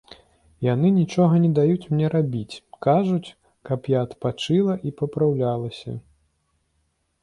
Яны нічога не даюць мне рабіць, кажуць, каб я адпачыла і папраўлялася.